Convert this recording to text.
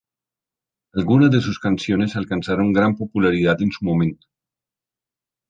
Algunas de sus canciones alcanzaron gran popularidad en su momento.